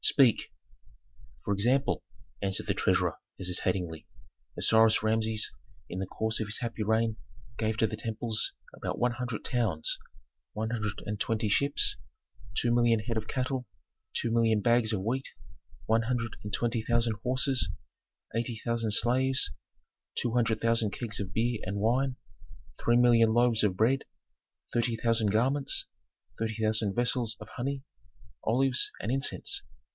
"Speak!" "For example," answered the treasurer, hesitatingly, "Osiris Rameses in the course of his happy reign gave to the temples about one hundred towns, one hundred and twenty ships, two million head of cattle, two million bags of wheat, one hundred and twenty thousand horses, eighty thousand slaves, two hundred thousand kegs of beer and wine, three million loaves of bread, thirty thousand garments, thirty thousand vessels of honey, olives, and incense.